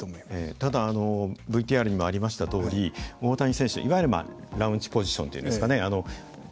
ただＶＴＲにもありましたとおり大谷選手いわゆるラウンチポジションっていうんですかね